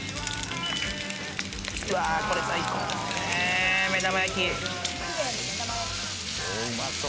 これ最高です、目玉焼き。